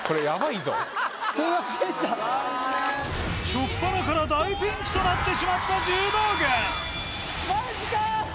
しょっぱなから大ピンチとなってしまった柔道軍マジか！